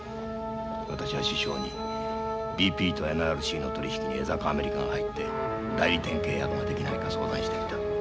私は首相にＢＰとＮＲＣの取り引きに江坂アメリカが入って代理店契約ができないか相談してみた。